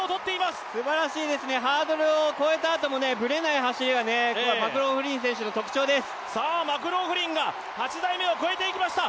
すばらしいですね、ハードルを越えたあともぶれない走りがマクローフリン選手の特徴です。